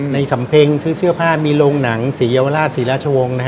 สำเพ็งซื้อเสื้อผ้ามีโรงหนังศรีเยาวราชศรีราชวงศ์